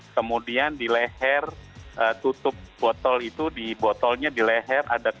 kemudian di leher tutup botol itu di botolnya di leher